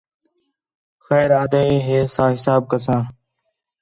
خیر آہدا ہے، ہے سا حساب کساں